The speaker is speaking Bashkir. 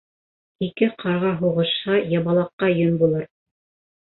Ике ҡарға һуғышһа, ябалаҡҡа йөн булыр.